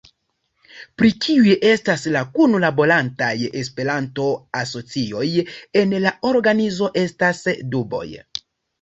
Pri kiuj estas la kunlaborantaj Esperanto-asocioj en la organizo estas duboj.